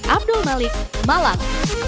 abdul malik malang